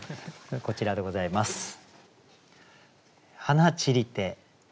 こちらでございます。